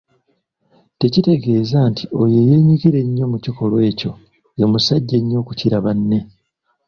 Tekitegeeza nti oyo eyeenyigira ennyo mu kikolwa ekyo ye musajja ennyo okukira banne.